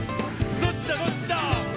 「どっちだどっちだ」